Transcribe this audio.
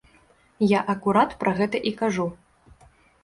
Я акурат пра гэта і кажу.